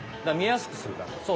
だから見やすくするため。